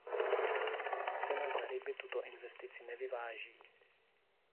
Cena za ryby tuto investici nevyváží.